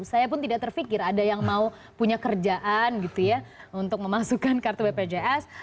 saya pun tidak terfikir ada yang mau punya kerjaan gitu ya untuk memasukkan kartu bpjs